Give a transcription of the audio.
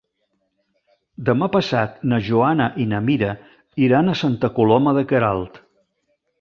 Demà passat na Joana i na Mira iran a Santa Coloma de Queralt.